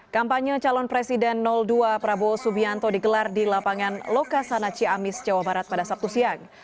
kampanye calon presiden dua prabowo subianto digelar di lapangan lokasana ciamis jawa barat pada sabtu siang